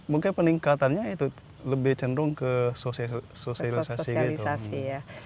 mungkin peningkatannya itu lebih cenderung ke sosialisasi gitu